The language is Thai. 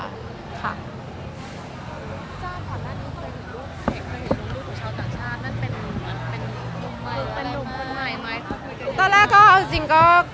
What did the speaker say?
คุณผู้ชาติขาดหน้านี้เป็นลูกหรือลูกของชาวต่างชาตินั่นเป็นลูกใหม่ไหม